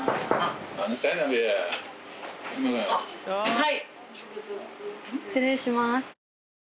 はい。